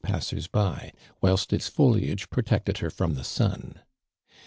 'issers by, whilst its foliage pro tected her from the sun.